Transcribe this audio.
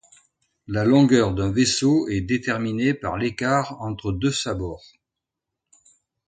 La longueur d'un vaisseau est déterminée par l'écart entre deux sabords.